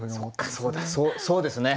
そうですね。